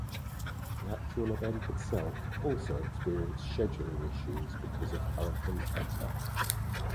The actual event itself also experienced scheduling issues because of Hurricane Eta.